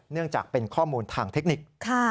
เนื่องจากเป็นข้อมูลทางเทคนิค